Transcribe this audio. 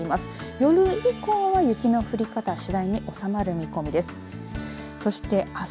夜以降は雪の降り方次第に収まる見込みです。